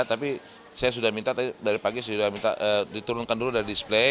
tapi saya sudah minta dari pagi sudah minta diturunkan dulu dari display